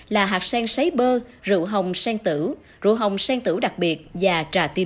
là hạt sen sấy bơ rượu hồng sen tử rượu hồng sen tử đặc biệt và trà tim sen